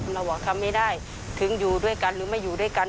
เราบอกทำไม่ได้ถึงอยู่ด้วยกันหรือไม่อยู่ด้วยกัน